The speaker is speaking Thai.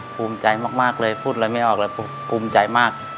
ภูมิใจมากเลยพูดอะไรไม่ออกเลยภูมิใจมาก